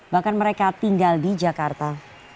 bahkan mereka tinggal di jakarta